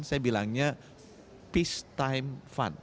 saya bilangnya peace time fund